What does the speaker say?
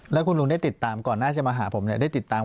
แล้วคุณลุงได้ติดตามก่อนหน้าจะมาหาผมเนี่ย